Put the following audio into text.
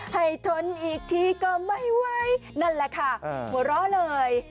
ทนอีกทีก็ไม่ไหวนั่นแหละค่ะหัวเราะเลย